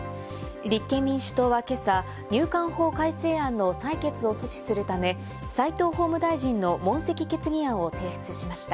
立憲民主党は今朝、入管法改正案の採決を阻止するため、齋藤法務大臣の問責決議案を提出しました。